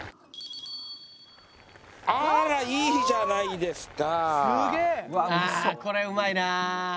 あらいいじゃないですか！